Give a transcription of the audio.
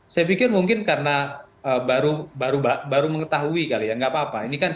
saya pikir mungkin karena baru mengetahui kali ya nggak apa apa